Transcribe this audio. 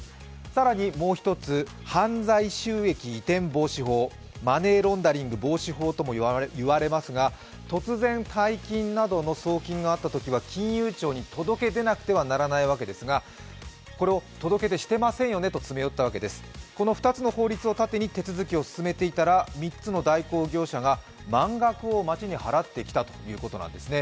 そしてもうひとつ犯罪収益移転防止法、マネーロンダリング防止法とも言われますが突然大金などの送金があったときには金融庁に届け出なければならないわけですが、これを届け出してませんよね？と詰め寄ってこの二つの盾でいったら３つの代行業者が満額を町に払ってきたということです。